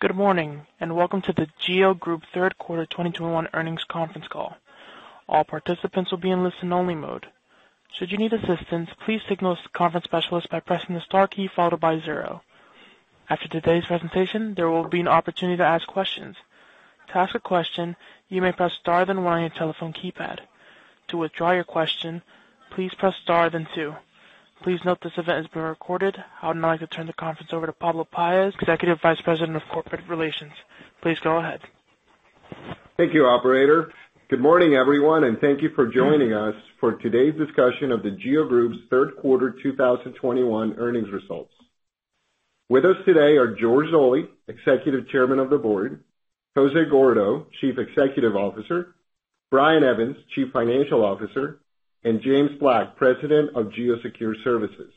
Good morning, and welcome to The GEO Group Q3 2021 Earnings Conference Call. All participants will be in listen-only mode. Should you need assistance, please signal the conference specialist by pressing the star key followed by zero. After today's presentation, there will be an opportunity to ask questions. To ask a question, you may press star then one on your telephone keypad. To withdraw your question, please press star then two. Please note this event is being recorded. I would now like to turn the conference over to Pablo Paez, Executive Vice President of Corporate Relations. Please go ahead. Thank you, operator. Good morning, everyone, and thank you for joining us for today's discussion of The GEO Group's Q3 2021 earnings results. With us today are George Zoley, Executive Chairman of the Board, Jose Gordo, Chief Executive Officer, Brian Evans, Chief Financial Officer, and James Black, President of GEO Secure Services.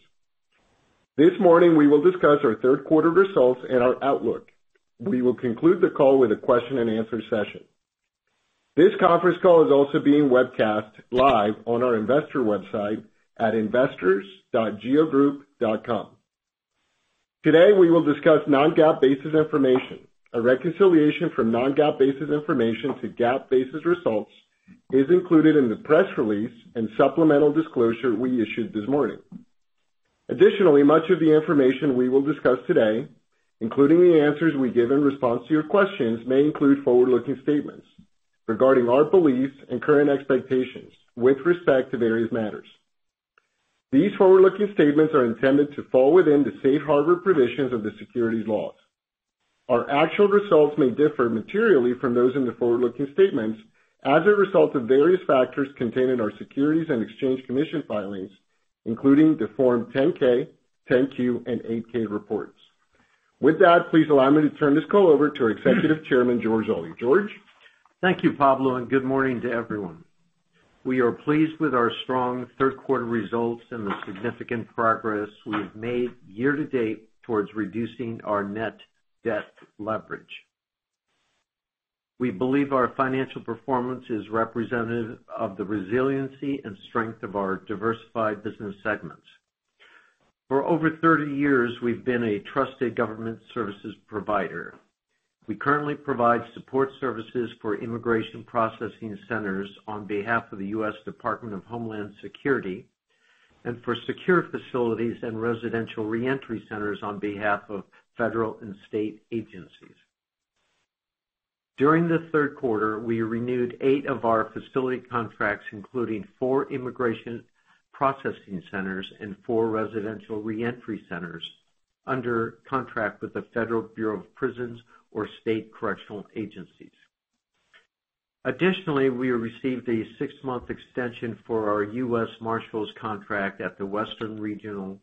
This morning, we will discuss our Q3 results and our outlook. We will conclude the call with a Q&A session. This conference call is also being webcast live on our investor website at investors.geogroup.com. Today, we will discuss non-GAAP basis information. A reconciliation from non-GAAP basis information to GAAP basis results is included in the press release and supplemental disclosure we issued this morning. Additionally, much of the information we will discuss today, including the answers we give in response to your questions, may include forward-looking statements regarding our beliefs and current expectations with respect to various matters. These forward-looking statements are intended to fall within the Safe Harbor provisions of the securities laws. Our actual results may differ materially from those in the forward-looking statements as a result of various factors contained in our Securities and Exchange Commission filings, including the Form 10-K, 10-Q, and 8-K reports. With that, please allow me to turn this call over to our Executive Chairman, George Zoley. George? Thank you, Pablo, and good morning to everyone. We are pleased with our strong Q3 results and the significant progress we have made year to date towards reducing our net debt leverage. We believe our financial performance is representative of the resiliency and strength of our diversified business segments. For over 30 years, we've been a trusted government services provider. We currently provide support services for immigration processing centers on behalf of the U.S. Department of Homeland Security, and for secure facilities and residential reentry centers on behalf of federal and state agencies. During the Q3, we renewed eight of our facility contracts, including four immigration processing centers and four residential reentry centers under contract with the Federal Bureau of Prisons or state correctional agencies. Additionally, we received a six-month extension for our U.S. Marshals contract at the Western Regional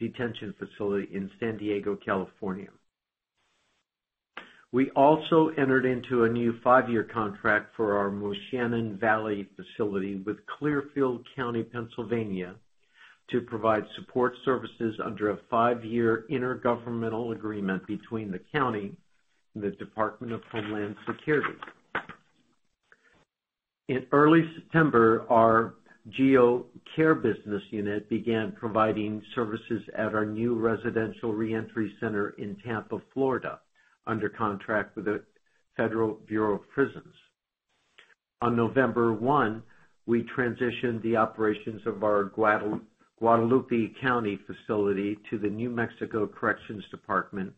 Detention Facility in San Diego, California. We also entered into a new five-year contract for our Moshannon Valley facility with Clearfield County, Pennsylvania, to provide support services under a five-year intergovernmental agreement between the County and the Department of Homeland Security. In early September, our GEO Care business unit began providing services at our new residential reentry center in Tampa, Florida, under contract with the Federal Bureau of Prisons. On November 1st, we transitioned the operations of our Guadalupe County facility to the New Mexico Corrections Department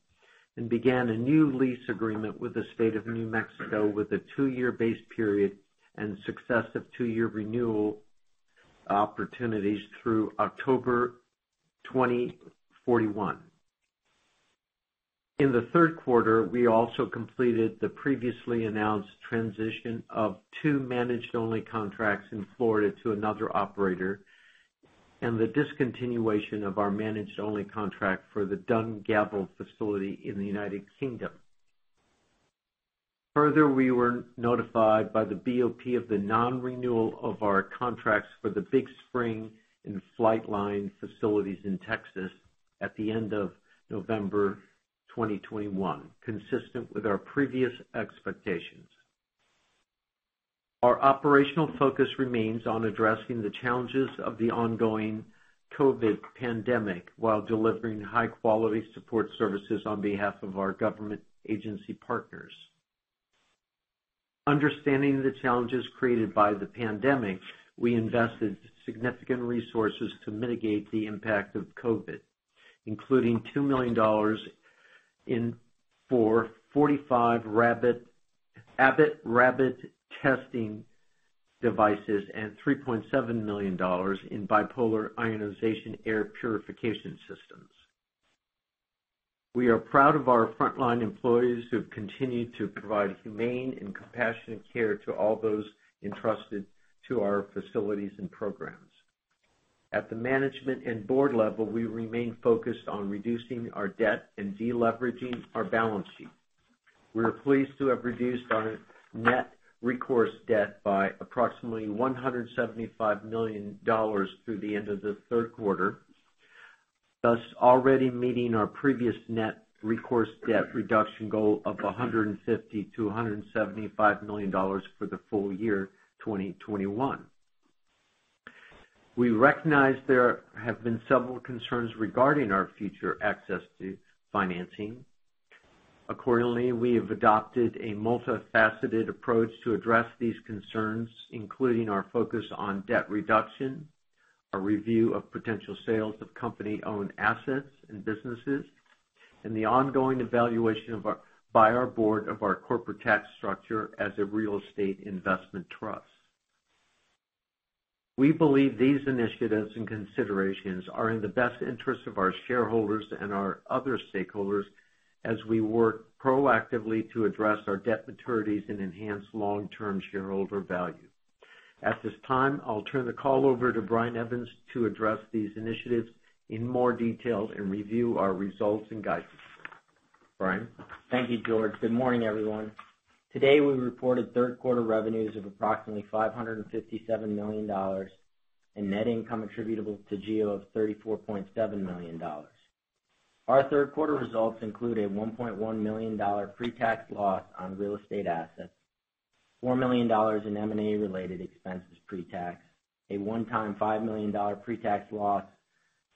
and began a new lease agreement with the State of New Mexico with a two-year base period and successive two-year renewal opportunities through October 2041. In the Q3, we also completed the previously announced transition of two managed only contracts in Florida to another operator and the discontinuation of our managed only contract for the Dungavel facility in the United Kingdom. Further, we were notified by the BOP of the non-renewal of our contracts for the Big Spring and Flightline facilities in Texas at the end of November 2021, consistent with our previous expectations. Our operational focus remains on addressing the challenges of the ongoing COVID pandemic while delivering high-quality support services on behalf of our government agency partners. Understanding the challenges created by the pandemic, we invested significant resources to mitigate the impact of COVID, including $2 million for 45 Abbott Rapid testing devices and $3.7 million in bipolar ionization air purification systems. We are proud of our frontline employees who have continued to provide humane and compassionate care to all those entrusted to our facilities and programs. At the management and board level, we remain focused on reducing our debt and de-leveraging our balance sheet. We are pleased to have reduced our net recourse debt by approximately $175 million through the end of the Q3, thus already meeting our previous net recourse debt reduction goal of $150 million to $175 million for the full year 2021. We recognize there have been several concerns regarding our future access to financing. Accordingly, we have adopted a multifaceted approach to address these concerns, including our focus on debt reduction, a review of potential sales of company-owned assets and businesses, and the ongoing evaluation by our board of our corporate tax structure as a real estate investment trust. We believe these initiatives and considerations are in the best interest of our shareholders and our other stakeholders as we work proactively to address our debt maturities and enhance long-term shareholder value. At this time, I'll turn the call over to Brian Evans to address these initiatives in more detail and review our results and guidance. Brian? Thank you, George. Good morning, everyone. Today, we reported Q3 revenues of approximately $557 million and net income attributable to GEO of $34.7 million. Our Q3 results include a $1.1 million pre-tax loss on real estate assets, $4 million in M&A-related expenses pre-tax, a one-time $5 million pre-tax loss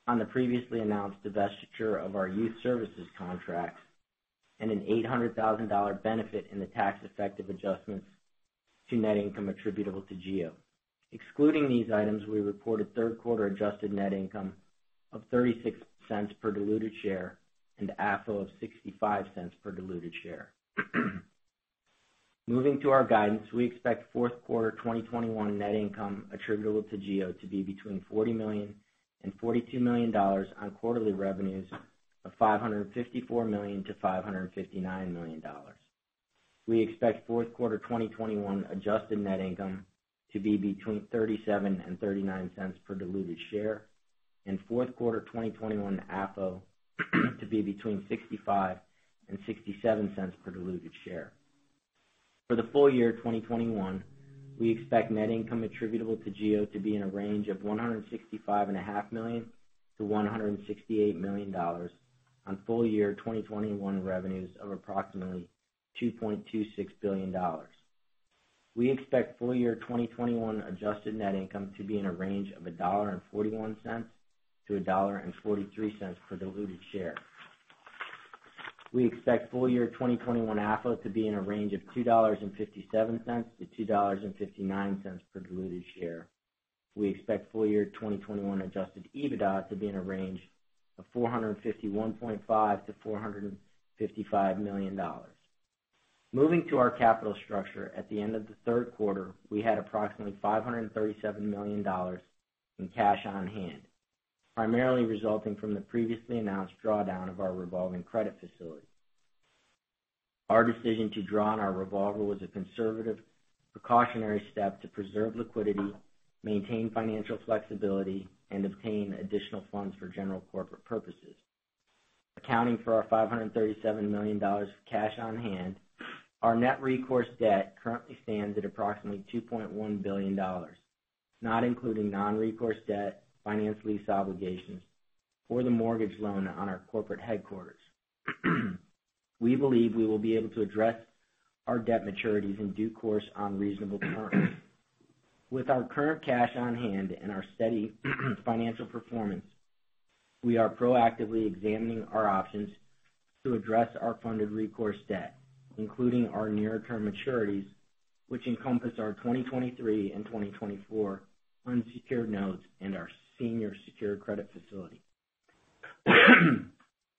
on the previously announced divestiture of our youth services contracts, and an $800,000 benefit in the tax effective adjustments to net income attributable to GEO. Excluding these items, we reported Q3 adjusted net income of $0.36 per diluted share and AFFO of $0.65 per diluted share. Moving to our guidance, we expect Q4 2021 net income attributable to GEO to be between $40 million and $42 million on quarterly revenues of $554 million to $559 million. We expect Q4 2021 adjusted net income to be between $0.37 and $0.39 per diluted share, and Q4 2021 AFFO to be between $0.65 and $0.67 per diluted share. For the full year 2021, we expect net income attributable to GEO to be in a range of $165.5 million to $168 million on full year 2021 revenues of approximately $2.26 billion. We expect full year 2021 adjusted net income to be in a range of $1.41 to $1.43 per diluted share. We expect full year 2021 AFFO to be in a range of $2.57 to $2.59 per diluted share. We expect full year 2021 adjusted EBITDA to be in a range of $451.5 million to $455 million. Moving to our capital structure, at the end of the Q3, we had approximately $537 million in cash on hand, primarily resulting from the previously announced drawdown of our revolving credit facility. Our decision to draw on our revolver was a conservative precautionary step to preserve liquidity, maintain financial flexibility, and obtain additional funds for general corporate purposes. Accounting for our $537 million of cash on hand, our net recourse debt currently stands at approximately $2.1 billion, not including non-recourse debt, finance lease obligations, or the mortgage loan on our corporate headquarters. We believe we will be able to address our debt maturities in due course on reasonable terms. With our current cash on hand and our steady financial performance, we are proactively examining our options to address our funded recourse debt, including our near-term maturities, which encompass our 2023 and 2024 unsecured notes and our senior secured credit facility.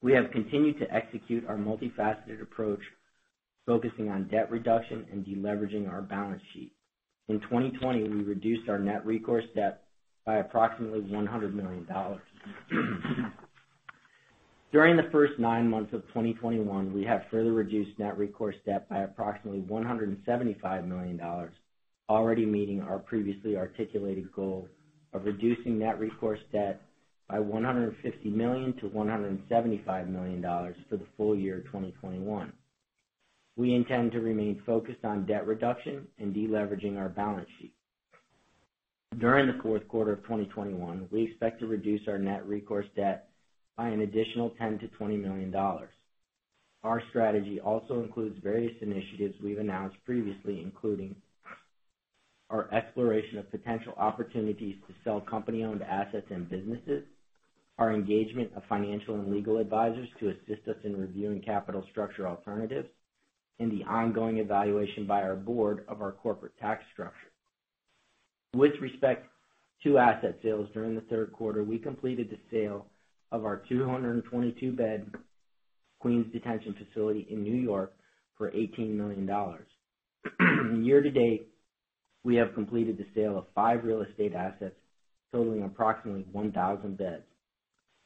We have continued to execute our multifaceted approach, focusing on debt reduction and de-leveraging our balance sheet. In 2020, we reduced our net recourse debt by approximately $100 million. During the first nine months of 2021, we have further reduced net recourse debt by approximately $175 million, already meeting our previously articulated goal of reducing net recourse debt by $150 million to $175 million for the full year 2021. We intend to remain focused on debt reduction and de-leveraging our balance sheet. During the Q4 of 2021, we expect to reduce our net recourse debt by an additional $10 million to $20 million. Our strategy also includes various initiatives we've announced previously, including our exploration of potential opportunities to sell company-owned assets and businesses, our engagement of financial and legal advisors to assist us in reviewing capital structure alternatives, and the ongoing evaluation by our board of our corporate tax structure. With respect to asset sales, during the Q3, we completed the sale of our 222-bed Queens detention facility in New York for $18 million. Year-to-date, we have completed the sale of five real estate assets totaling approximately 1,000 beds.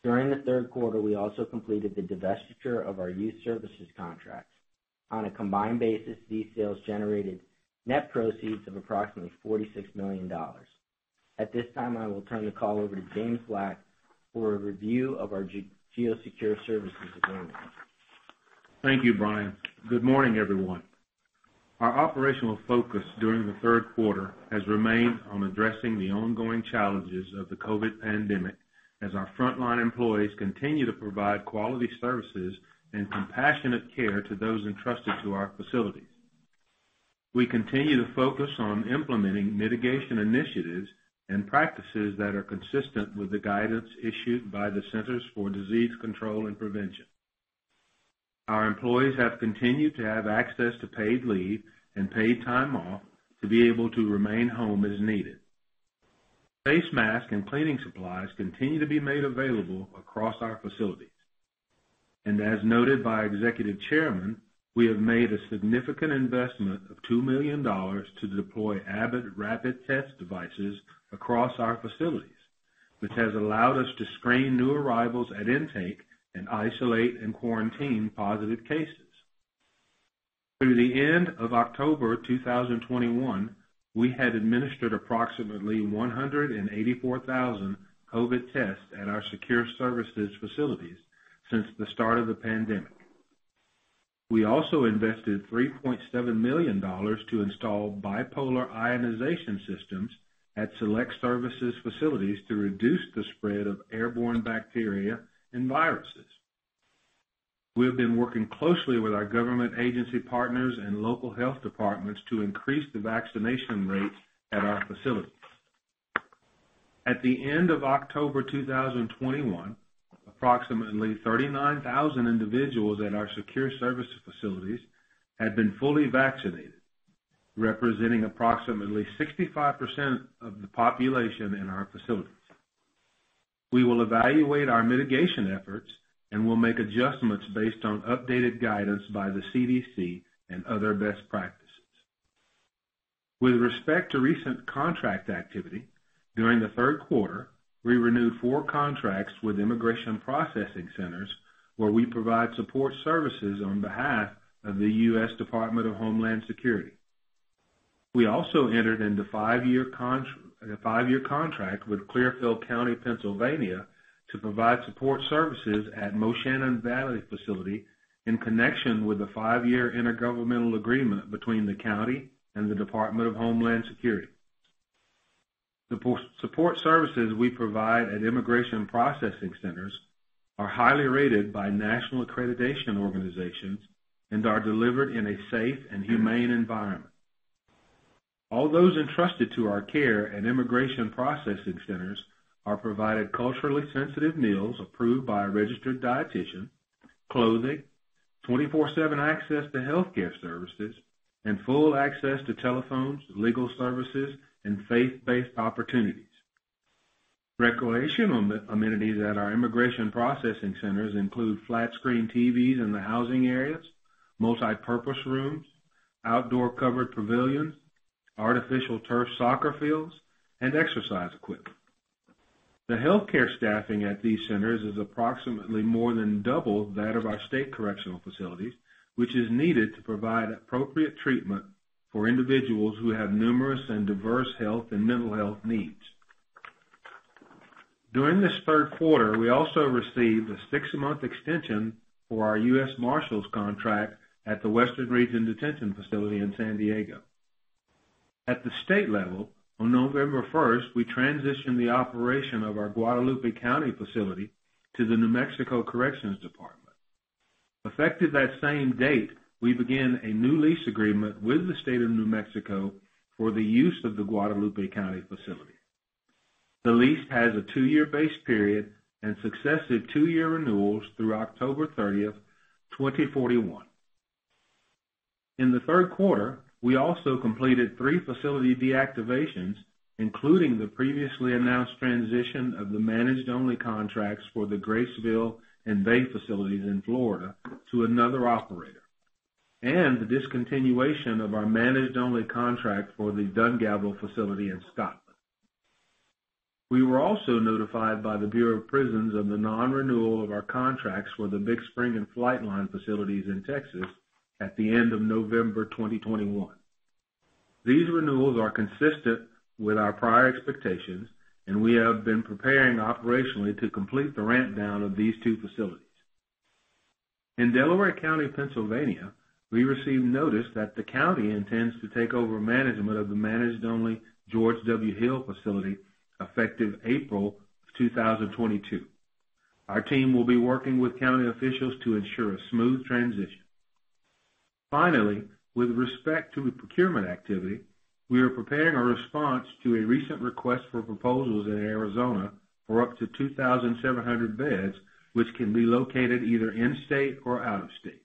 During the Q3, we also completed the divestiture of our youth services contracts. On a combined basis, these sales generated net proceeds of approximately $46 million. At this time, I will turn the call over to James Black for a review of our GEO Secure Services division. Thank you, Brian. Good morning, everyone. Our operational focus during the Q3 has remained on addressing the ongoing challenges of the COVID pandemic as our frontline employees continue to provide quality services and compassionate care to those entrusted to our facilities. We continue to focus on implementing mitigation initiatives and practices that are consistent with the guidance issued by the Centers for Disease Control and Prevention. Our employees have continued to have access to paid leave and paid time off to be able to remain home as needed. Face mask and cleaning supplies continue to be made available across our facilities. As noted by Executive Chairman, we have made a significant investment of $2 million to deploy Abbott rapid test devices across our facilities, which has allowed us to screen new arrivals at intake and isolate and quarantine positive cases. Through the end of October 2021, we had administered approximately 184,000 COVID tests at our Secure Services facilities since the start of the pandemic. We also invested $3.7 million to install bipolar ionization systems at select Secure Services facilities to reduce the spread of airborne bacteria and viruses. We have been working closely with our government agency partners and local health departments to increase the vaccination rates at our facilities. At the end of October 2021, approximately 39,000 individuals at our Secure Services facilities had been fully vaccinated, representing approximately 65% of the population in our facilities. We will evaluate our mitigation efforts and will make adjustments based on updated guidance by the CDC and other best practices. With respect to recent contract activity, during the Q3, we renewed four contracts with immigration processing centers where we provide support services on behalf of the U.S. Department of Homeland Security. We also entered into five-year contract with Clearfield County, Pennsylvania, to provide support services at Moshannon Valley facility in connection with the five-year intergovernmental agreement between the county and the Department of Homeland Security. The support services we provide at immigration processing centers are highly rated by national accreditation organizations and are delivered in a safe and humane environment. All those entrusted to our care and immigration processing centers are provided culturally sensitive meals approved by a registered dietitian, clothing, 24/7 access to healthcare services, and full access to telephones, legal services, and faith-based opportunities. Recreational amenities at our immigration processing centers include flat screen TVs in the housing areas, multipurpose rooms, outdoor covered pavilions, artificial turf soccer fields, and exercise equipment. The healthcare staffing at these centers is approximately more than double that of our state correctional facilities, which is needed to provide appropriate treatment for individuals who have numerous and diverse health and mental health needs. During this Q3, we also received a six-month extension for our U.S. Marshals contract at the Western Region Detention Facility in San Diego. At the state level, on November 1st, we transitioned the operation of our Guadalupe County facility to the New Mexico Corrections Department. Effective that same date, we began a new lease agreement with the State of New Mexico for the use of the Guadalupe County facility. The lease has a two-year base period and successive two-year renewals through October 30th, 2041. In the Q3, we also completed three facility deactivations, including the previously announced transition of the managed only contracts for the Graceville and Bay facilities in Florida to another operator, and the discontinuation of our managed only contract for the Dungavel facility in Scotland. We were also notified by the Bureau of Prisons of the non-renewal of our contracts for the Big Spring and Flightline facilities in Texas at the end of November 2021. These renewals are consistent with our prior expectations, and we have been preparing operationally to complete the ramp down of these two facilities. In Delaware County, Pennsylvania, we received notice that the county intends to take over management of the managed only George W. Hill facility effective April 2022. Our team will be working with county officials to ensure a smooth transition. Finally, with respect to the procurement activity, we are preparing a response to a recent request for proposals in Arizona for up to 2,700 beds, which can be located either in state or out of state.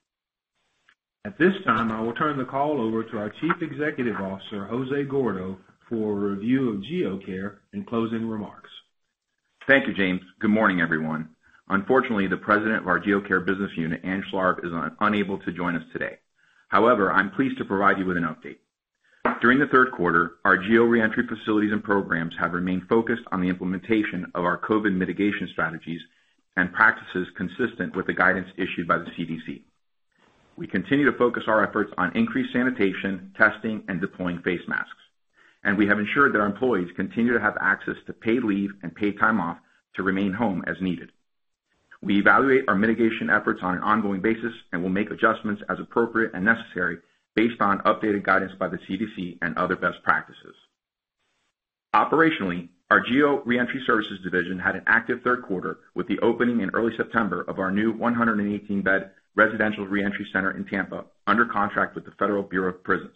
At this time, I will turn the call over to our Chief Executive Officer, Jose Gordo, for a review of GEO Care and closing remarks. Thank you, James. Good morning, everyone. Unfortunately, the President of our GEO Care business unit, Ann Schlarb, is unable to join us today. However, I'm pleased to provide you with an update. During the Q3, our GEO Reentry facilities and programs have remained focused on the implementation of our COVID mitigation strategies and practices consistent with the guidance issued by the CDC. We continue to focus our efforts on increased sanitation, testing, and deploying face masks, and we have ensured that our employees continue to have access to paid leave and paid time off to remain home as needed. We evaluate our mitigation efforts on an ongoing basis and will make adjustments as appropriate and necessary based on updated guidance by the CDC and other best practices. Operationally, our GEO Reentry Services division had an active Q3 with the opening in early September of our new 118-bed residential reentry center in Tampa, under contract with the Federal Bureau of Prisons.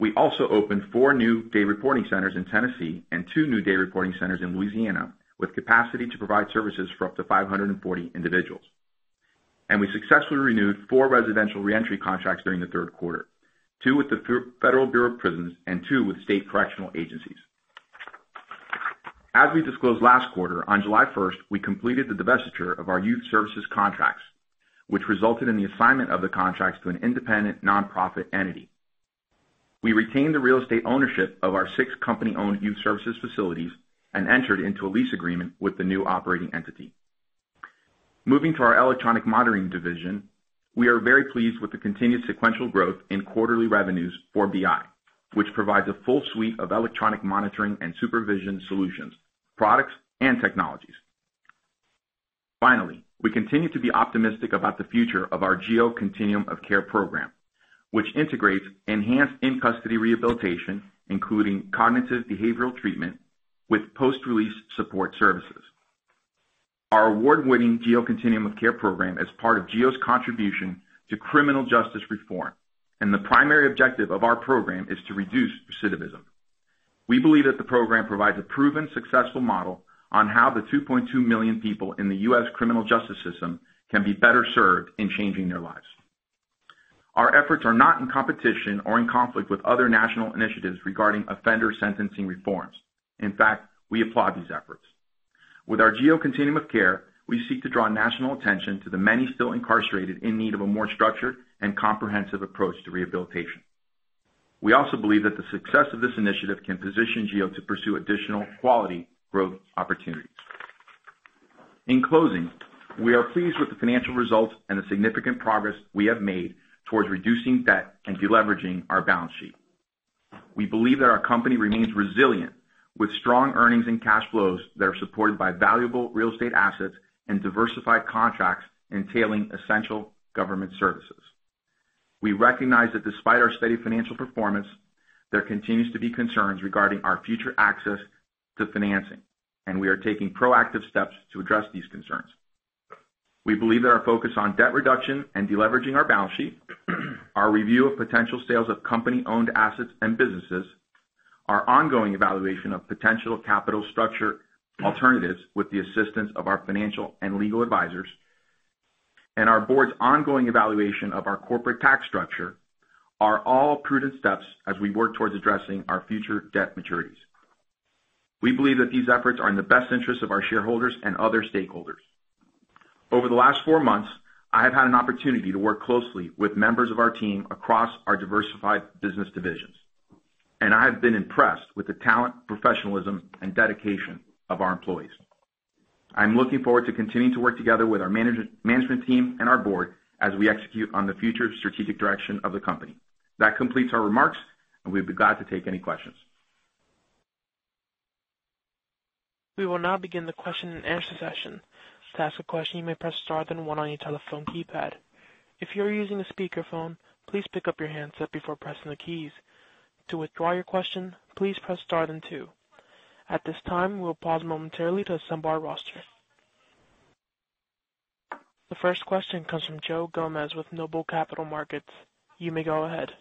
We also opened four new day reporting centers in Tennessee and two new day reporting centers in Louisiana, with capacity to provide services for up to 540 individuals. We successfully renewed four residential reentry contracts during the Q3, two with the Federal Bureau of Prisons and two with state correctional agencies. As we disclosed last quarter, on July 1st, we completed the divestiture of our youth services contracts, which resulted in the assignment of the contracts to an independent nonprofit entity. We retained the real estate ownership of our six company-owned youth services facilities and entered into a lease agreement with the new operating entity. Moving to our electronic monitoring division, we are very pleased with the continued sequential growth in quarterly revenues for BI, which provides a full suite of electronic monitoring and supervision solutions, products, and technologies. Finally, we continue to be optimistic about the future of our GEO Continuum of Care program, which integrates enhanced in-custody rehabilitation, including cognitive behavioral treatment, with post-release support services. Our award-winning GEO Continuum of Care program is part of GEO's contribution to criminal justice reform, and the primary objective of our program is to reduce recidivism. We believe that the program provides a proven, successful model on how the 2.2 million people in the U.S. criminal justice system can be better served in changing their lives. Our efforts are not in competition or in conflict with other national initiatives regarding offender sentencing reforms. In fact, we applaud these efforts. With our GEO Continuum of Care, we seek to draw national attention to the many still incarcerated in need of a more structured and comprehensive approach to rehabilitation. We also believe that the success of this initiative can position GEO to pursue additional quality growth opportunities. In closing, we are pleased with the financial results and the significant progress we have made towards reducing debt and deleveraging our balance sheet. We believe that our company remains resilient with strong earnings and cash flows that are supported by valuable real estate assets and diversified contracts entailing essential government services. We recognize that despite our steady financial performance, there continues to be concerns regarding our future access to financing, and we are taking proactive steps to address these concerns. We believe that our focus on debt reduction and deleveraging our balance sheet, our review of potential sales of company-owned assets and businesses, our ongoing evaluation of potential capital structure alternatives with the assistance of our financial and legal advisors, and our board's ongoing evaluation of our corporate tax structure are all prudent steps as we work towards addressing our future debt maturities. We believe that these efforts are in the best interest of our shareholders and other stakeholders. Over the last four months, I have had an opportunity to work closely with members of our team across our diversified business divisions, and I have been impressed with the talent, professionalism, and dedication of our employees. I'm looking forward to continuing to work together with our management team and our board as we execute on the future strategic direction of the company. That completes our remarks, and we'd be glad to take any questions. We will now begin the Q&A session. To ask a question, you may press star then one on your telephone keypad. If you're using a speakerphone, please pick up your handset before pressing the keys. To withdraw your question, please press star then two. At this time, we'll pause momentarily to assemble our roster. The first question comes from Joe Gomes with Noble Capital Markets. You may go ahead.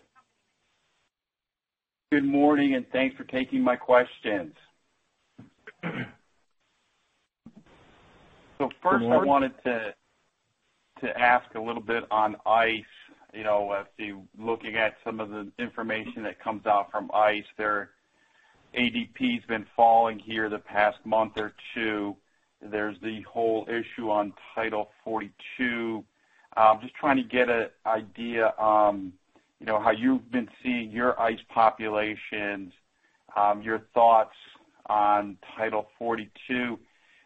Good morning, and thanks for taking my questions. Good morning. I wanted to ask a little bit on ICE. You know, as you're looking at some of the information that comes out from ICE, their ADP's been falling here the past month or two. There's the whole issue on Title 42. Just trying to get an idea on, you know, how you've been seeing your ICE populations, your thoughts on Title 42.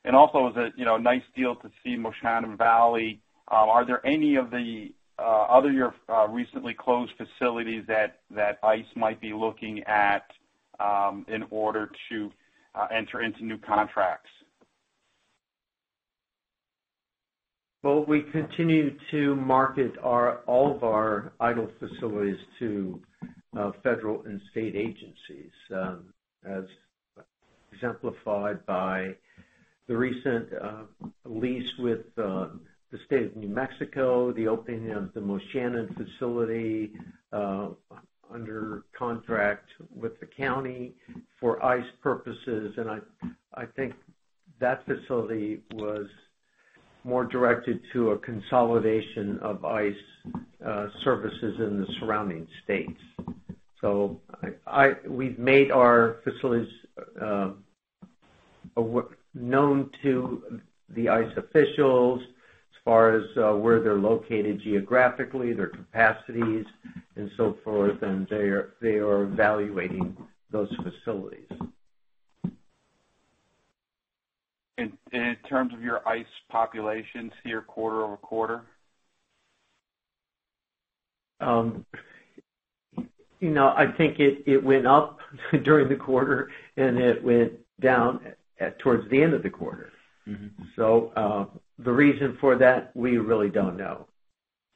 And also, is it, you know, a nice deal to see Moshannon Valley? Are there any of the other of your recently closed facilities that ICE might be looking at in order to enter into new contracts? Well, we continue to market all of our idle facilities to federal and state agencies, as exemplified by the recent lease with the State of New Mexico, the opening of the Moshannon facility, under contract with the county for ICE purposes. I think that facility was more directed to a consolidation of ICE services in the surrounding states. We've made our facilities known to the ICE officials as far as where they're located geographically, their capacities and so forth, and they are evaluating those facilities. In terms of your ICE population, see it quarter-over-quarter? You know, I think it went up during the quarter, and it went down towards the end of the quarter. Mm-hmm. The reason for that, we really don't know.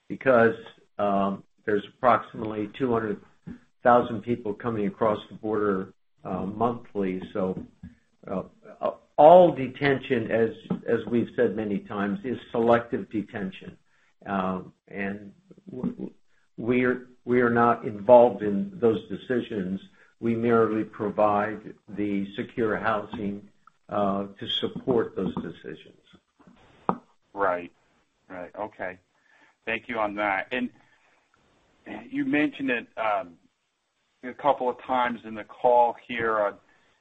Because there's approximately 200,000 people coming across the border monthly. All detention, as we've said many times, is selective detention. We're not involved in those decisions. We merely provide the secure housing to support those decisions. Right. Okay. Thank you on that. You mentioned it a couple of times in the call here,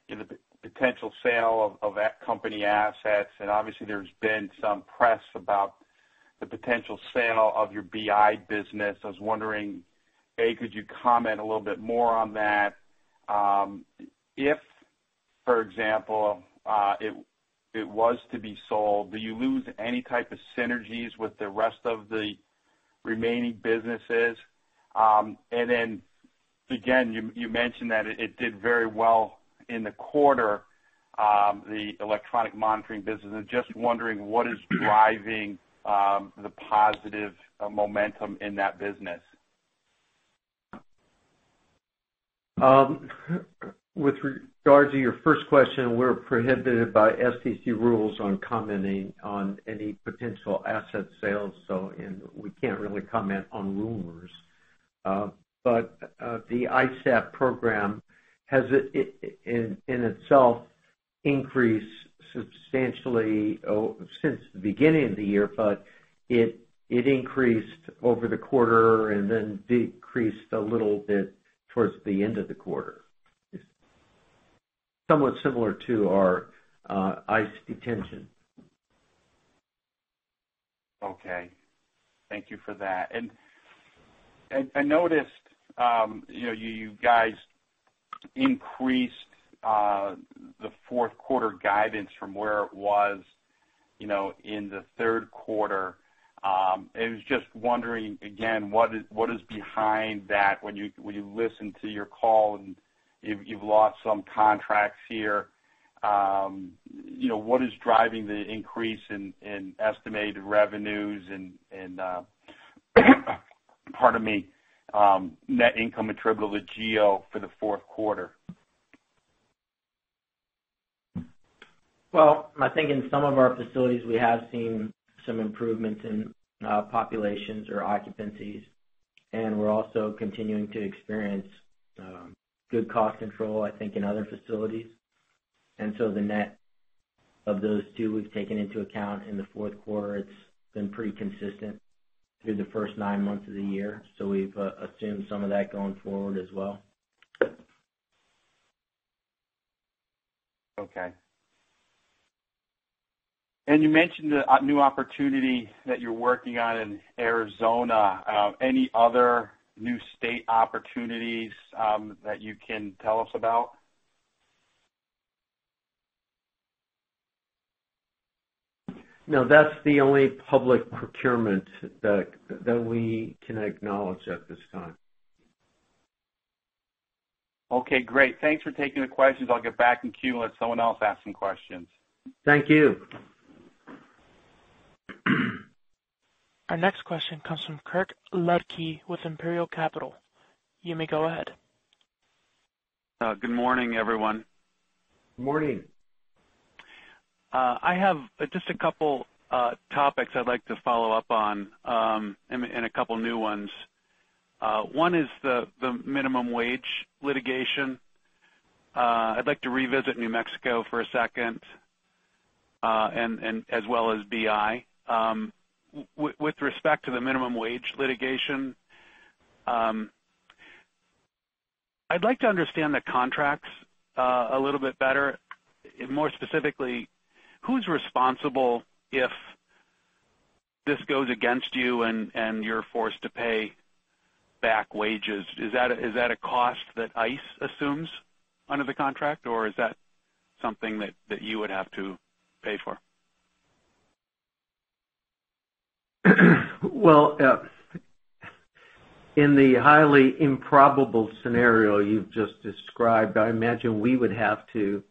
the potential sale of that company assets, and obviously there's been some press about the potential sale of your BI business. I was wondering, A, could you comment a little bit more on that? If, for example, it was to be sold, do you lose any type of synergies with the rest of the remaining businesses? Then again, you mentioned that it did very well in the quarter, the electronic monitoring business. I'm just wondering what is driving the positive momentum in that business. With regards to your first question, we're prohibited by SEC rules on commenting on any potential asset sales, and we can't really comment on rumors. The ISAP program has in itself increased substantially since the beginning of the year, but it increased over the quarter and then decreased a little bit towards the end of the quarter. Somewhat similar to our ICE detention. Okay. Thank you for that. I noticed you know you guys increased the Q4 guidance from where it was you know in the Q3. I was just wondering again what is behind that when you listen to your call and you've lost some contracts here you know what is driving the increase in estimated revenues and pardon me net income attributable to GEO for the Q4? Well, I think in some of our facilities, we have seen some improvements in populations or occupancies, and we're also continuing to experience good cost control, I think, in other facilities. The net of those two, we've taken into account in the Q4. It's been pretty consistent through the first nine months of the year, so we've assumed some of that going forward as well. Okay. You mentioned a new opportunity that you're working on in Arizona. Any other new state opportunities that you can tell us about? No, that's the only public procurement that we can acknowledge at this time. Okay, great. Thanks for taking the questions. I'll get back in queue and let someone else ask some questions. Thank you. Our next question comes from Kirk Ludtke with Imperial Capital. You may go ahead. Good morning, everyone. Morning. I have just a couple topics I'd like to follow up on, and a couple new ones. One is the minimum wage litigation. I'd like to revisit New Mexico for a second, and as well as BI. With respect to the minimum wage litigation, I'd like to understand the contracts a little bit better. More specifically, who's responsible if this goes against you and you're forced to pay back wages? Is that a cost that ICE assumes under the contract, or is that something that you would have to pay for? Well, in the highly improbable scenario you've just described, I imagine we would have to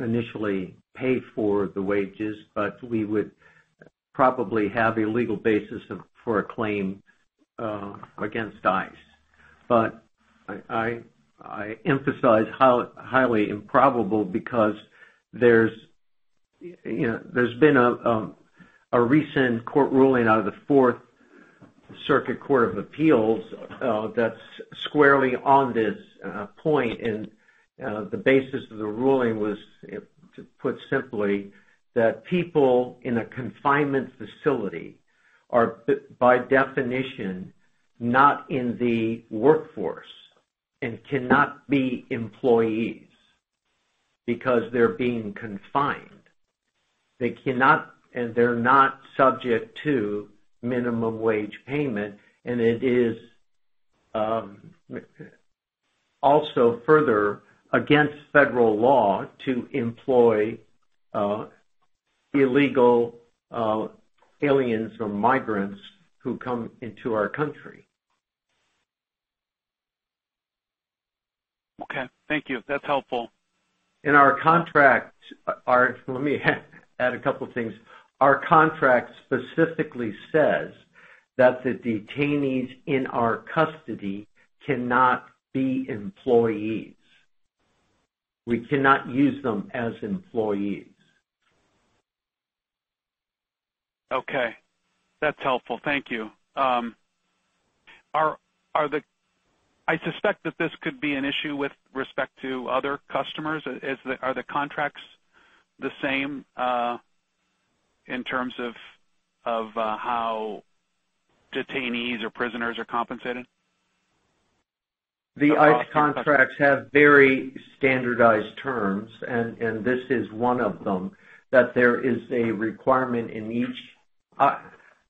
initially pay for the wages, but we would probably have a legal basis for a claim against ICE. I emphasize how highly improbable because, you know, there's been a recent court ruling out of the Fourth Circuit Court of Appeals that's squarely on this point. The basis of the ruling was, to put simply, that people in a confinement facility are by definition not in the workforce and cannot be employees because they're being confined. They cannot, and they're not subject to minimum wage payment, and it is also further against federal law to employ illegal aliens or migrants who come into our country. Okay. Thank you. That's helpful. In our contract, let me add a couple things. Our contract specifically says that the detainees in our custody cannot be employees. We cannot use them as employees. Okay, that's helpful. Thank you. I suspect that this could be an issue with respect to other customers. Are the contracts the same in terms of how detainees or prisoners are compensated? The ICE contracts have very standardized terms, and this is one of them, that there is a requirement in each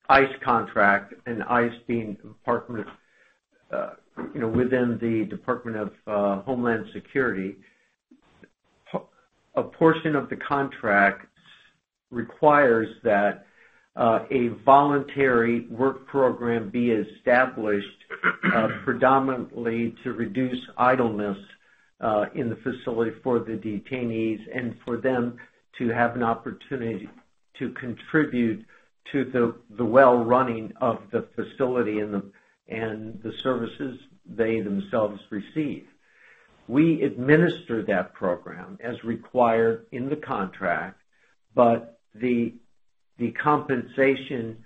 ICE contract, and ICE being within the Department of Homeland Security. Pay portion of the contract requires that a voluntary work program be established, predominantly to reduce idleness in the facility for the detainees and for them to have an opportunity to contribute to the well running of the facility and the services they themselves receive. We administer that program as required in the contract, but the compensation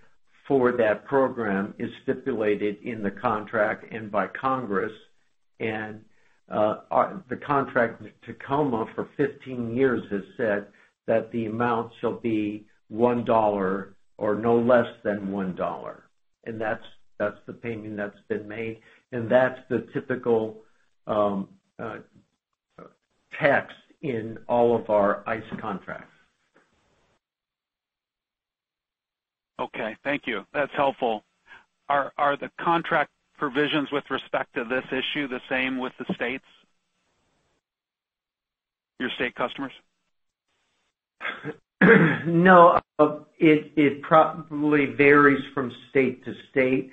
for that program is stipulated in the contract and by Congress, and the contract with Tacoma for 15 years has said that the amount shall be $1 or no less than $1. That's the payment that's been made, and that's the typical tax in all of our ICE contracts. Okay. Thank you. That's helpful. Are the contract provisions with respect to this issue the same with the states, your state customers? No. It probably varies from state to state.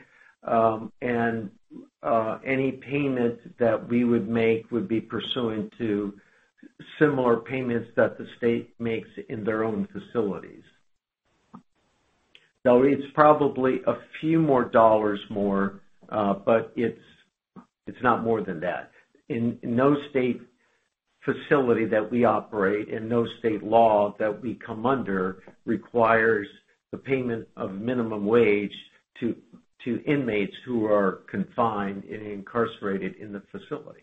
Any payment that we would make would be pursuant to similar payments that the state makes in their own facilities. Though it's probably a few more dollars, it's not more than that. In no state facility that we operate, in no state law that we come under requires the payment of minimum wage to inmates who are confined and incarcerated in the facility.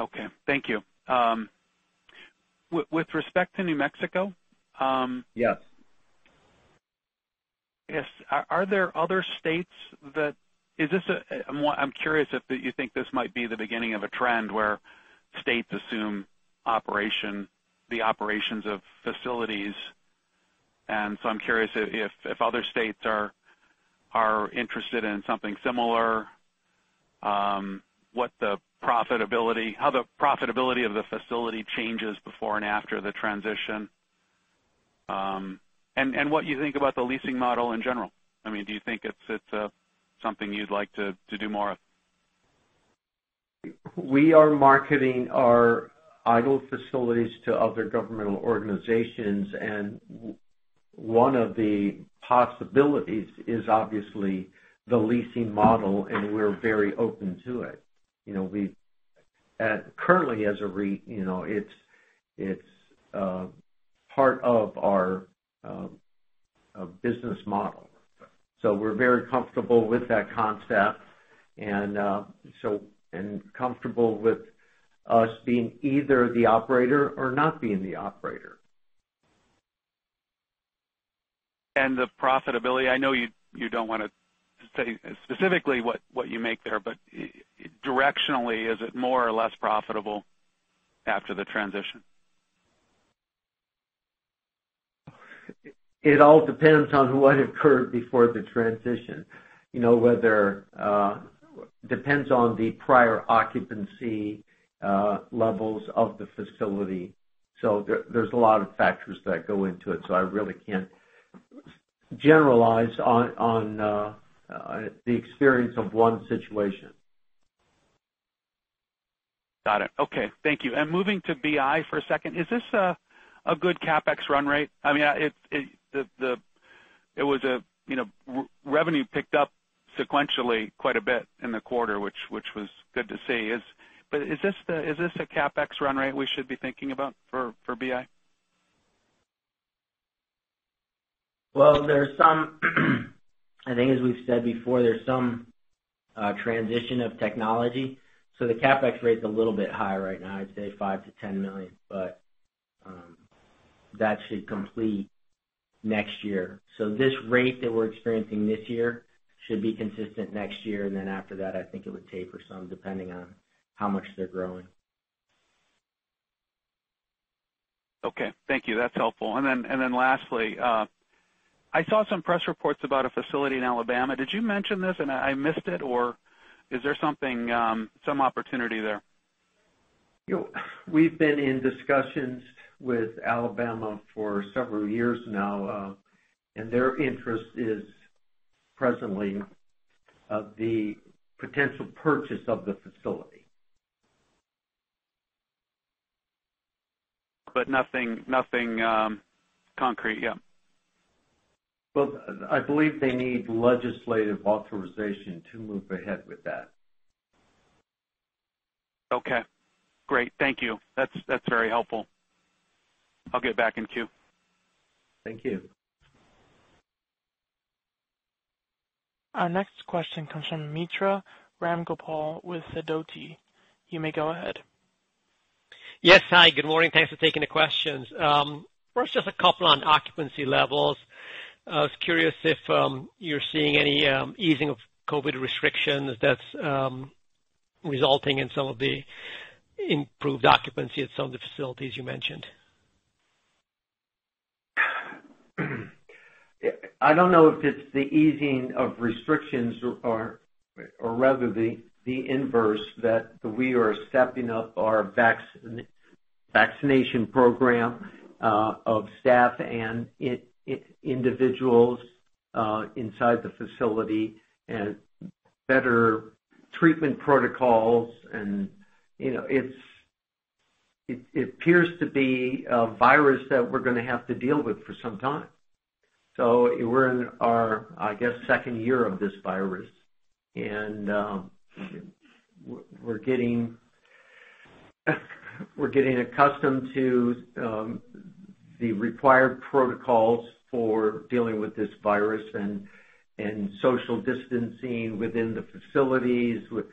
Okay. Thank you. With respect to New Mexico. Yes. Yes. I'm curious if you think this might be the beginning of a trend where states assume operation, the operations of facilities. I'm curious if other states are interested in something similar, what the profitability, how the profitability of the facility changes before and after the transition, and what you think about the leasing model in general. I mean, do you think it's something you'd like to do more of? We are marketing our idle facilities to other governmental organizations, and one of the possibilities is obviously the leasing model, and we're very open to it. You know, we are currently you know, it's part of our business model. We're very comfortable with that concept and comfortable with us being either the operator or not being the operator. The profitability, I know you don't wanna say specifically what you make there, but directionally, is it more or less profitable after the transition? It all depends on what occurred before the transition. You know, whether it depends on the prior occupancy levels of the facility. There's a lot of factors that go into it, so I really can't generalize on the experience of one situation. Got it. Okay. Thank you. Moving to BI for a second, is this a good CapEx run rate? I mean, it was, you know, revenue picked up sequentially quite a bit in the quarter, which was good to see. But is this the CapEx run rate we should be thinking about for BI? Well, I think as we've said before, there's some transition of technology. The CapEx rate's a little bit higher right now, I'd say $5 million to $10 million, but that should complete next year. This rate that we're experiencing this year should be consistent next year, and then after that, I think it would taper some depending on how much they're growing. Okay. Thank you. That's helpful. Lastly, I saw some press reports about a facility in Alabama. Did you mention this and I missed it, or is there something, some opportunity there? You know, we've been in discussions with Alabama for several years now, and their interest is presently in the potential purchase of the facility. Nothing concrete. Yeah. Well, I believe they need legislative authorization to move ahead with that. Okay, great. Thank you. That's very helpful. I'll get back in queue. Thank you. Our next question comes from Mitra Ramgopal with Sidoti. You may go ahead. Yes. Hi. Good morning. Thanks for taking the questions. First, just a couple on occupancy levels. I was curious if you're seeing any easing of COVID restrictions that's resulting in some of the improved occupancy at some of the facilities you mentioned? I don't know if it's the easing of restrictions or rather the inverse that we are stepping up our vaccination program of staff and individuals inside the facility and better treatment protocols and, you know, it appears to be a virus that we're gonna have to deal with for some time. We're in our, I guess, second year of this virus. We're getting accustomed to the required protocols for dealing with this virus and social distancing within the facilities with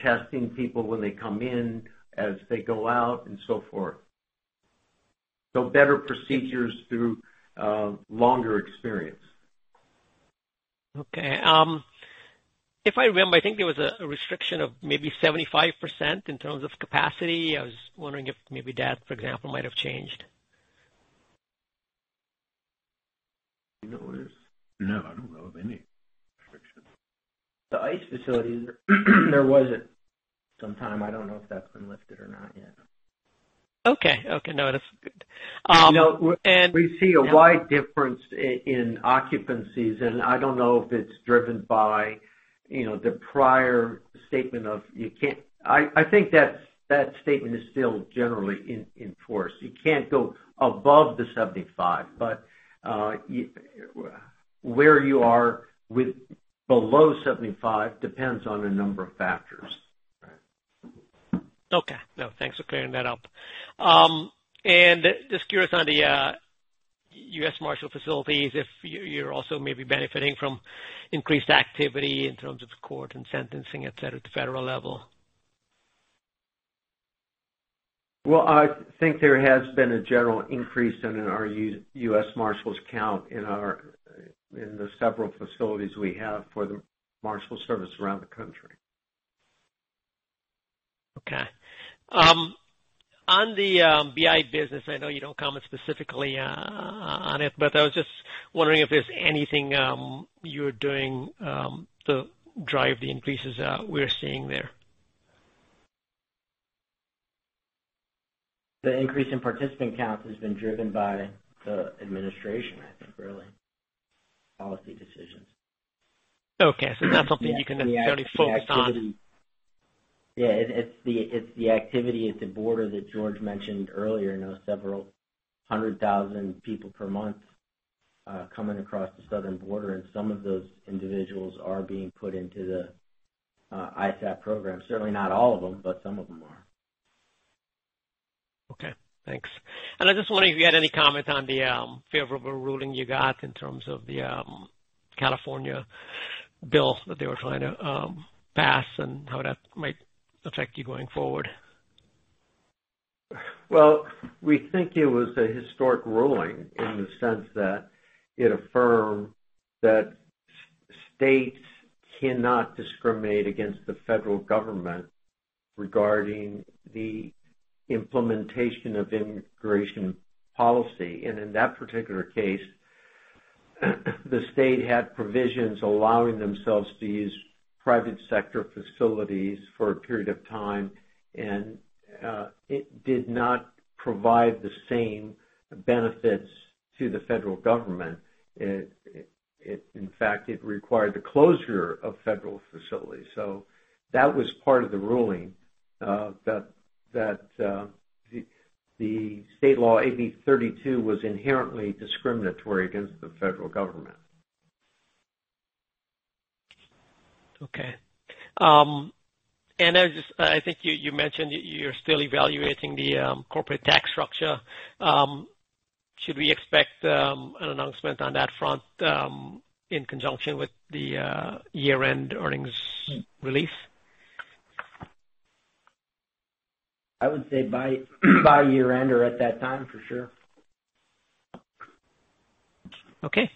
testing people when they come in, as they go out and so forth. Better procedures through longer experience. Okay. If I remember, I think there was a restriction of maybe 75% in terms of capacity. I was wondering if maybe that, for example, might have changed. Do you know what it is? No, I don't know of any restrictions. The ICE facilities, there was at some time. I don't know if that's been lifted or not yet. Okay. No, that's good. You know, we see a wide difference in occupancies, and I don't know if it's driven by, you know, the prior statement of you can't. I think that statement is still generally enforced. You can't go above the 75, but where you are with below 75 depends on a number of factors. Okay. No, thanks for clearing that up. Just curious on the U.S. Marshals facilities, if you're also maybe benefiting from increased activity in terms of court and sentencing, et cetera, at the federal level? Well, I think there has been a general increase in our U.S. Marshals count in the several facilities we have for the U.S. Marshals Service around the country. Okay. On the BI business, I know you don't comment specifically on it, but I was just wondering if there's anything you're doing to drive the increases we're seeing there. The increase in participant counts has been driven by the administration, I think really, policy decisions. Okay. Not something you can necessarily focus on. Yeah. It's the activity at the border that George mentioned earlier. You know, several hundred thousand people per month coming across the southern border, and some of those individuals are being put into the ISAP program. Certainly not all of them, but some of them are. Okay, thanks. I just wonder if you had any comment on the favorable ruling you got in terms of the California bill that they were trying to pass and how that might affect you going forward. Well, we think it was a historic ruling in the sense that it affirmed that states cannot discriminate against the federal government regarding the implementation of immigration policy. In that particular case, the state had provisions allowing themselves to use private sector facilities for a period of time, and it did not provide the same benefits to the federal government. In fact, it required the closure of federal facilities. That was part of the ruling, that the state law, AB 32, was inherently discriminatory against the federal government. Okay. I think you mentioned you're still evaluating the corporate tax structure. Should we expect an announcement on that front in conjunction with the year-end earnings release? I would say by year-end or at that time for sure. Okay.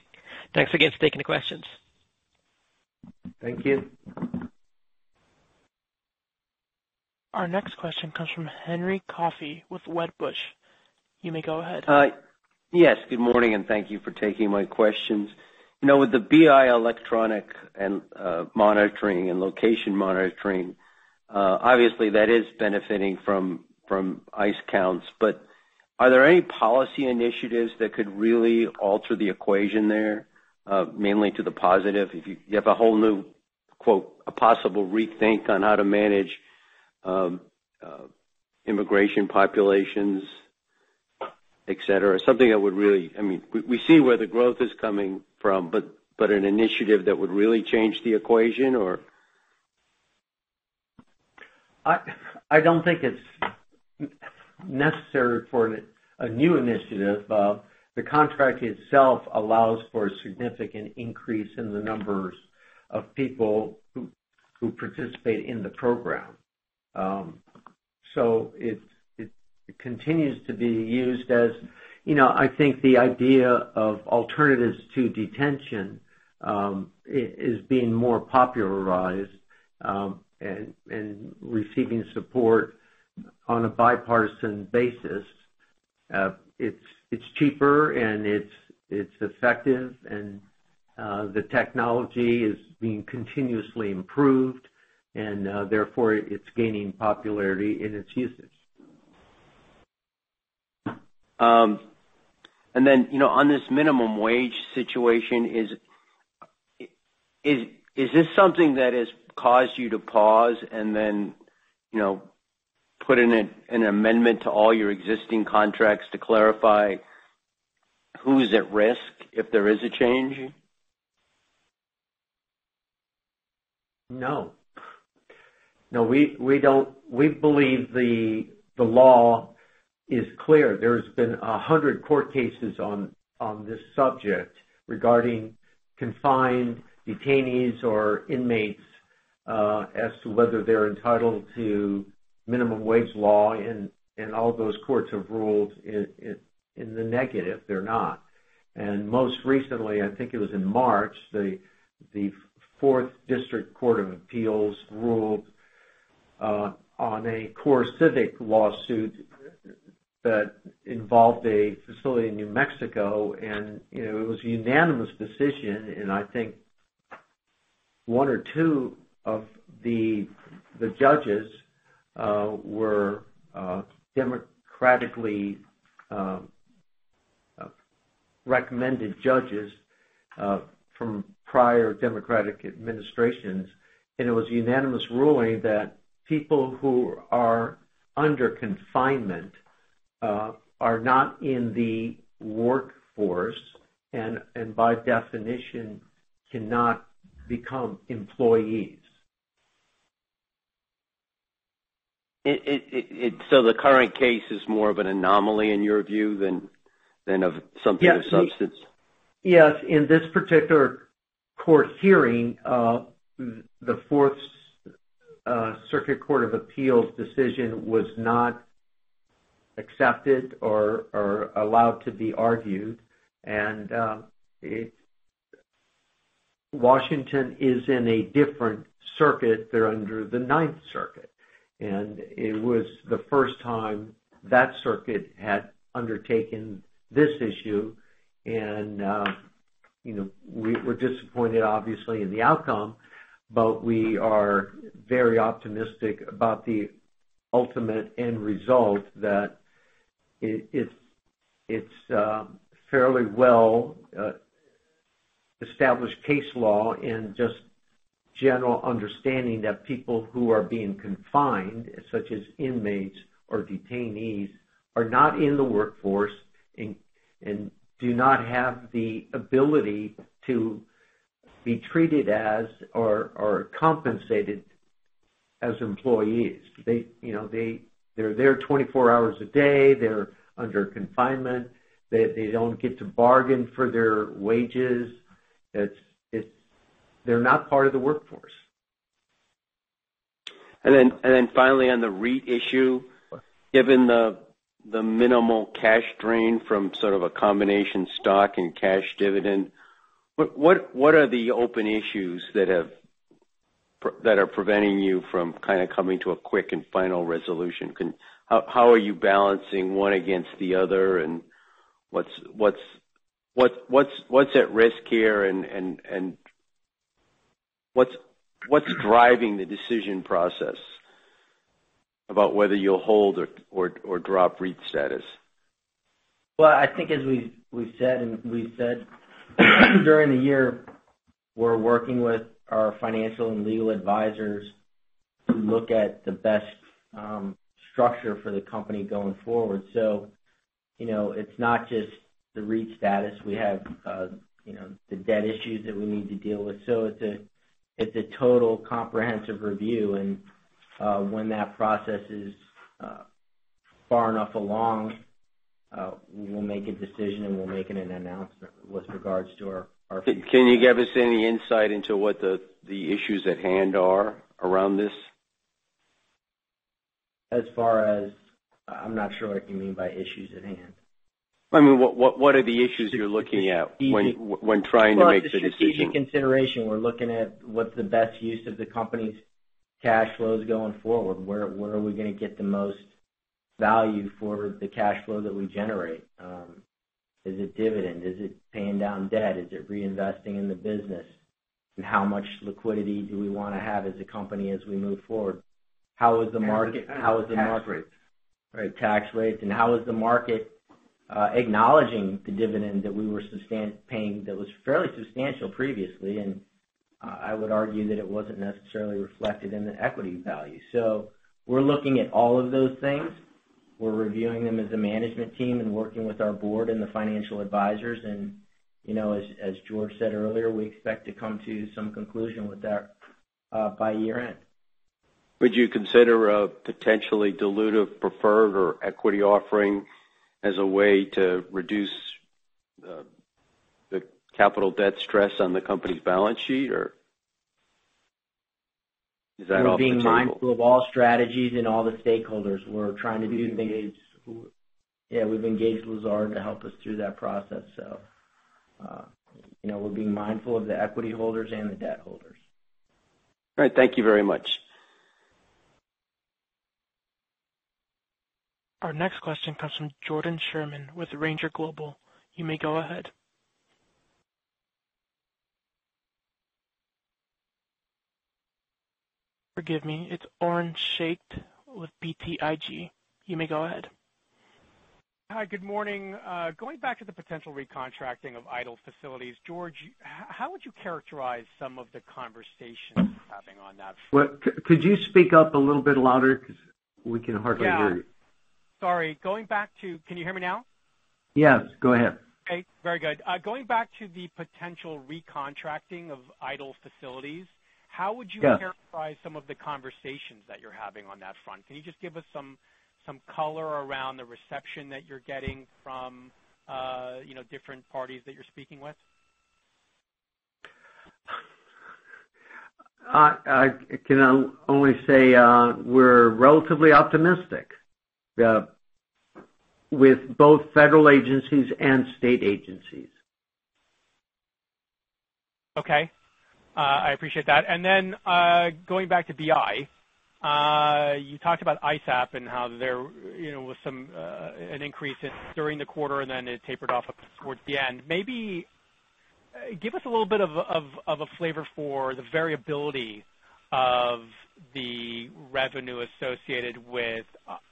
Thanks again for taking the questions. Thank you. Our next question comes from Henry Coffey with Wedbush Securities. You may go ahead. Hi. Yes, good morning, and thank you for taking my questions. You know, with the BI electronic monitoring and location monitoring, obviously, that is benefiting from ICE counts. But are there any policy initiatives that could really alter the equation there, mainly to the positive if you have a whole new, quote, "a possible rethink on how to manage immigrant populations," et cetera? Something that would really I mean, we see where the growth is coming from, but an initiative that would really change the equation or? I don't think it's necessary for a new initiative. The contract itself allows for a significant increase in the numbers of people who participate in the program. It continues to be used as, you know, I think the idea of alternatives to detention is being more popularized and receiving support on a bipartisan basis. It's cheaper and it's effective and the technology is being continuously improved and therefore it's gaining popularity in its usage. You know, on this minimum wage situation is this something that has caused you to pause and then, you know, put in an amendment to all your existing contracts to clarify who's at risk if there is a change? No, we don't. We believe the law is clear. There's been 100 court cases on this subject regarding confined detainees or inmates as to whether they're entitled to minimum wage law and all those courts have ruled in the negative, they're not. Most recently, I think it was in March, the Fourth Circuit Court of Appeals ruled on a CoreCivic lawsuit that involved a facility in New Mexico and you know it was a unanimous decision, and I think one or two of the judges were democraticly recommended judges from prior Democratic administrations. It was a unanimous ruling that people who are under confinement are not in the workforce and by definition cannot become employees. The current case is more of an anomaly in your view than of something of substance? Yes. In this particular court hearing, the Fourth Circuit Court of Appeals decision was not accepted or allowed to be argued. Washington is in a different circuit. They're under the Ninth Circuit. It was the first time that circuit had undertaken this issue and, you know, we were disappointed obviously in the outcome, but we are very optimistic about the ultimate end result that it's a fairly well established case law and just general understanding that people who are being confined, such as inmates or detainees, are not in the workforce and do not have the ability to be treated as or compensated as employees. They, you know, they're there 24 hours a day. They're under confinement. They don't get to bargain for their wages. It's. They're not part of the workforce. Finally on the REIT issue, given the minimal cash drain from sort of a combination stock and cash dividend, what are the open issues that are preventing you from kind of coming to a quick and final resolution? How are you balancing one against the other and what's at risk here and what's driving the decision process about whether you'll hold or drop REIT status? Well, I think as we said during the year, we're working with our financial and legal advisors to look at the best structure for the company going forward. You know, it's not just the REIT status. We have, you know, the debt issues that we need to deal with. It's a total comprehensive review and, when that process is far enough along, we will make a decision, and we'll make an announcement with regards to our. Can you give us any insight into what the issues at hand are around this? I'm not sure what you mean by issues at hand. I mean, what are the issues you're looking at when trying to make the decision? Well, it's a strategic consideration. We're looking at what the best use of the company's cash flows going forward. Where are we gonna get the most value for the cash flow that we generate? Is it dividend? Is it paying down debt? Is it reinvesting in the business? How much liquidity do we wanna have as a company as we move forward? How is the market Tax rates. Right, tax rates, and how is the market acknowledging the dividend that we were sustained paying that was fairly substantial previously, and I would argue that it wasn't necessarily reflected in the equity value. We're looking at all of those things. We're reviewing them as a management team and working with our board and the financial advisors. You know, as George said earlier, we expect to come to some conclusion with that by year-end. Would you consider a potentially dilutive preferred or equity offering as a way to reduce the capital debt stress on the company's balance sheet? Or is that off the table? We're being mindful of all strategies and all the stakeholders. We're trying to do things. Engage. Yeah, we've engaged Lazard to help us through that process. You know, we're being mindful of the equity holders and the debt holders. All right. Thank you very much. Our next question comes from Jordan Sherman with Ranger Global Real Estate Advisors. You may go ahead. Forgive me. It's Oren Shaked with BTIG. You may go ahead. Hi, good morning. Going back to the potential recontracting of idle facilities, George, how would you characterize some of the conversations you're having on that? Could you speak up a little bit louder? 'Cause we can hardly hear you. Yeah. Sorry. Can you hear me now? Yes, go ahead. Okay, very good. Going back to the potential recontracting of idle facilities Yes. How would you characterize some of the conversations that you're having on that front? Can you just give us some color around the reception that you're getting from, you know, different parties that you're speaking with? I can only say we're relatively optimistic with both federal agencies and state agencies. Okay. I appreciate that. Going back to BI, you talked about ISAP and how there you know was an increase in it during the quarter, and then it tapered off towards the end. Maybe give us a little bit of a flavor for the variability of the revenue associated with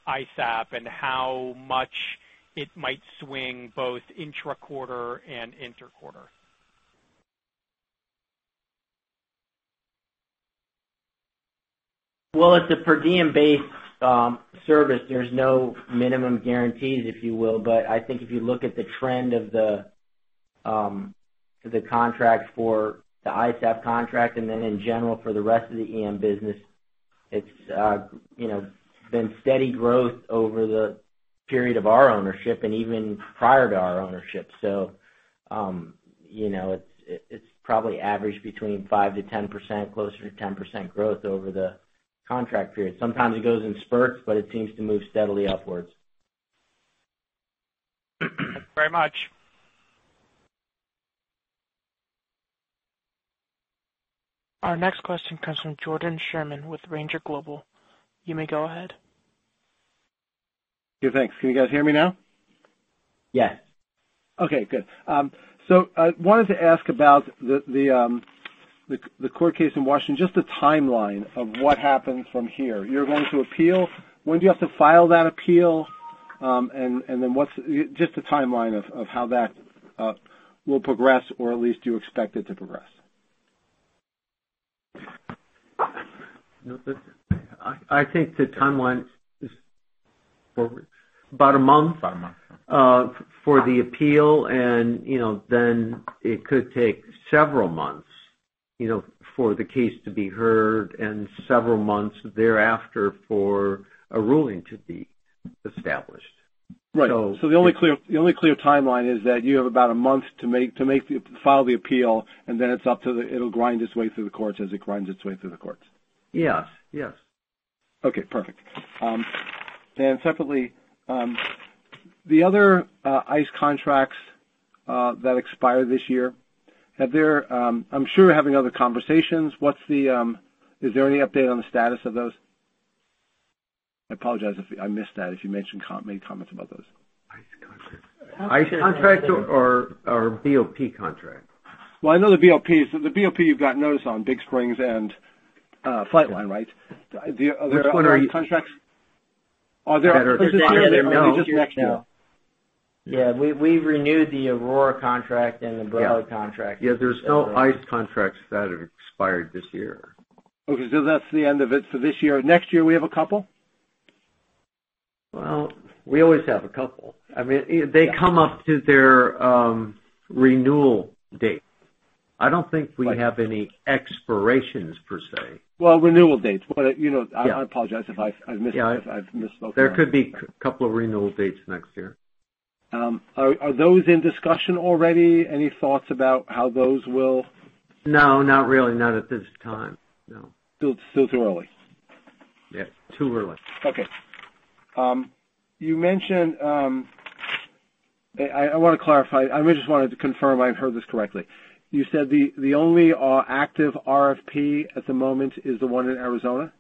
ISAP and how much it might swing both intra-quarter and inter-quarter. Well, it's a per diem based service. There's no minimum guarantees, if you will. I think if you look at the trend of the contract for the ISAP contract and then in general for the rest of the EM business, it's, you know, been steady growth over the period of our ownership and even prior to our ownership. You know, it's probably averaged between 5% to 10%, closer to 10% growth over the contract period. Sometimes it goes in spurts, but it seems to move steadily upwards. Thank you very much. Our next question comes from Jordan Sherman with Ranger Global Real Estate Advisors. You may go ahead. Yeah, thanks. Can you guys hear me now? Yes. Okay, good. I wanted to ask about the court case in Washington, just the timeline of what happens from here. You're going to appeal. When do you have to file that appeal? Just the timeline of how that will progress or at least you expect it to progress. You want this? I think the timeline is forward. About a month. About a month. for the appeal and, you know, then it could take several months, you know, for the case to be heard and several months thereafter for a ruling to be established. Right. So The only clear timeline is that you have about a month to file the appeal, and then it's up to the courts. It'll grind its way through the courts. Yes. Yes. Okay, perfect. Separately, the other ICE contracts that expire this year. I'm sure you're having other conversations. Is there any update on the status of those? I apologize if I missed that, if you made comments about those. ICE contracts. ICE contract or BOP contract? Well, I know the BOP. The BOP, you've got notice on Big Spring and Flightline, right? Are there other ICE contracts? Which one are you? Are there No. Yeah. We've renewed the Aurora contract and the Adelanto contract. Yeah. There's no ICE contracts that have expired this year. Okay. That's the end of it. This year. Next year, we have a couple? Well, we always have a couple. I mean, they come up to their renewal date. I don't think we have any expirations per se. Well, renewal dates. You know Yeah. I apologize if I mis- Yeah. If I've misspoke there. There could be couple of renewal dates next year. Are those in discussion already? Any thoughts about how those will? No, not really, not at this time. No. Still too early. Yeah, two were left. Okay. You mentioned, I wanna clarify. I just wanted to confirm I heard this correctly. You said the only active RFP at the moment is the one in Arizona?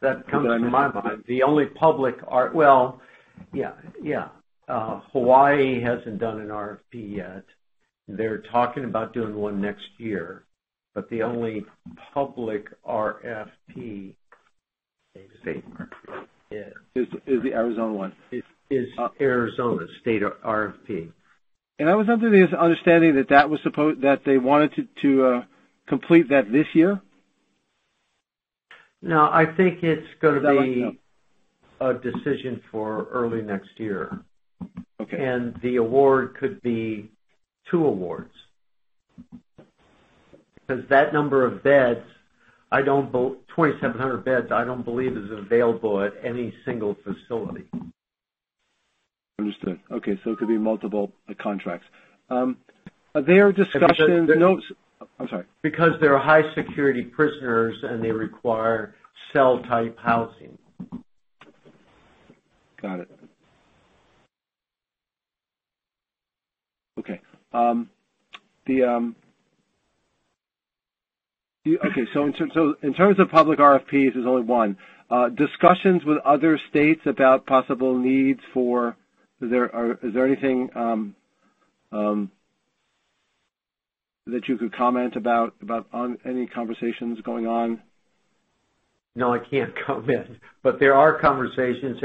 That comes to my mind. Well, yeah. Hawaii hasn't done an RFP yet. They're talking about doing one next year, but the only public RFP Is the Arizona one? Is Arizona state RFP. I was under the understanding that they wanted to complete that this year. No, I think it's gonna be a decision for early next year. Okay. The award could be two awards. Because that number of beds, 2,700 beds, I don't believe is available at any single facility. Understood. Okay. It could be multiple contracts. Are there discussions? Because they're No. I'm sorry. Because they're high security prisoners, and they require cell type housing. Got it. Okay. In terms of public RFPs, there's only one. Discussions with other states about possible needs for. Is there anything that you could comment about on any conversations going on? No, I can't comment. There are conversations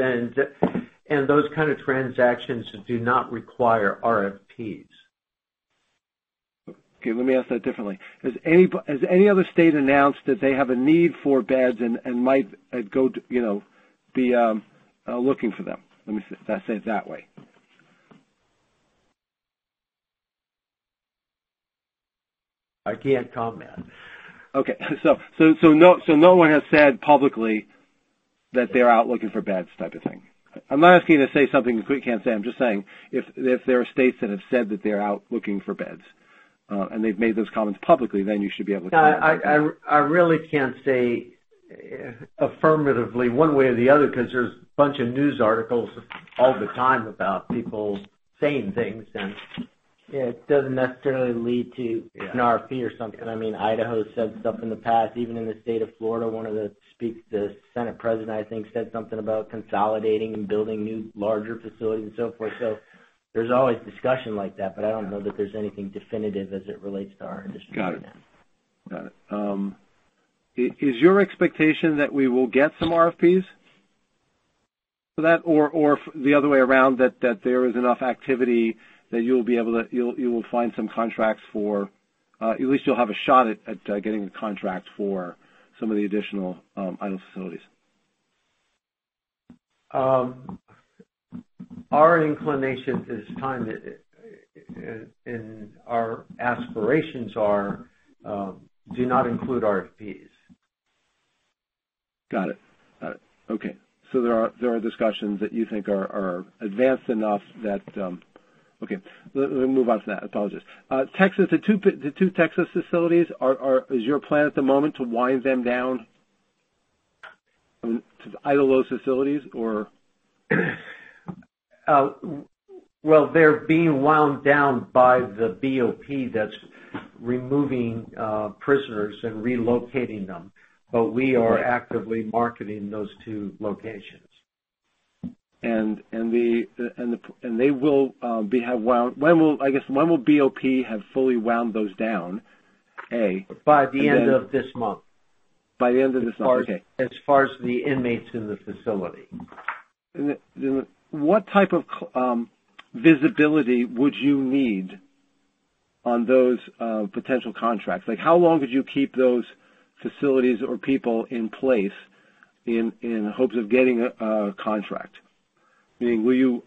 and those kind of transactions do not require RFPs. Okay, let me ask that differently. Has any other state announced that they have a need for beds and might go, you know, be looking for them? Let me say it that way. I can't comment. Okay. No one has said publicly that they're out looking for beds type of thing. I'm not asking you to say something that you can't say. I'm just saying if there are states that have said that they're out looking for beds, and they've made those comments publicly, then you should be able to comment. No, I really can't say affirmatively one way or the other, 'cause there's a bunch of news articles all the time about people saying things, and it doesn't necessarily lead to an RFP or something. I mean, Idaho said stuff in the past. Even in the state of Florida, one of the Senate President, I think, said something about consolidating and building new, larger facilities and so forth. There's always discussion like that, but I don't know that there's anything definitive as it relates to our industry. Got it. Is your expectation that we will get some RFPs for that? Or the other way around, that there is enough activity that you'll be able to find some contracts for at least you'll have a shot at getting the contracts for some of the additional idle facilities. Our inclination is timely, and our aspirations do not include RFPs. Got it. Okay. There are discussions that you think are advanced enough that. Okay. Let me move on to that. I apologize. Texas, the two Texas facilities, is your plan at the moment to wind them down? To idle those facilities or? Well, they're being wound down by the BOP that's removing prisoners and relocating them, but we are actively marketing those two locations. I guess, when will BOP have fully wound those down, A? By the end of this month. By the end of this month. Okay. As far as the inmates in the facility. What type of visibility would you need on those potential contracts? Like, how long could you keep those facilities or people in place in hopes of getting a contract? Meaning, will you?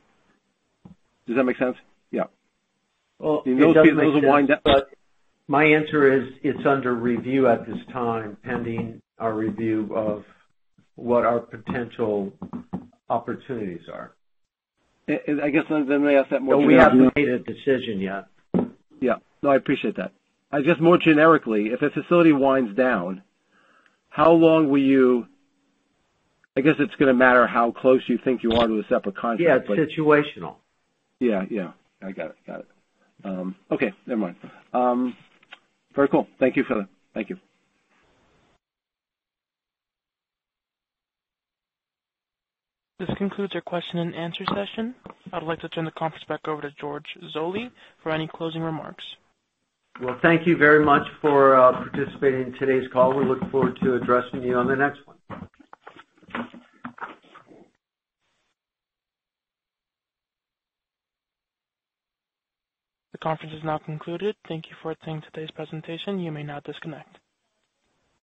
Does that make sense? Yeah. Well, it does make sense. Those will wind down. My answer is it's under review at this time, pending our review of what our potential opportunities are. I guess, let me ask that more generically. We haven't made a decision yet. Yeah. No, I appreciate that. I guess more generically, if a facility winds down, how long will you? I guess it's gonna matter how close you think you are to a separate contract, but. Yeah, it's situational. Yeah. I got it. Okay, never mind. Very cool. Thank you for that. Thank you. This concludes our Q&A session. I'd like to turn the conference back over to George Zoley for any closing remarks. Well, thank you very much for participating in today's call. We look forward to addressing you on the next one. The conference is now concluded. Thank you for attending today's presentation. You may now disconnect.